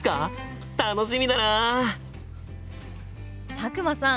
佐久間さん